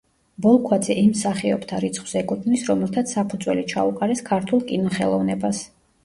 ბოლქვაძე იმ მსახიობთა რიცხვს ეკუთვნის, რომელთაც საფუძველი ჩაუყარეს ქართულ კინოხელოვნებას.